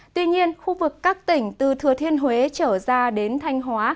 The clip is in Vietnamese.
tuy nhiên khu vực các tỉnh từ thừa thiên huế trở ra đến thanh hóa